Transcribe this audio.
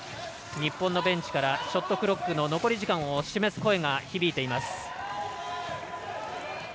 日本のベンチからショットクロックの残り時間を示す声が響いています。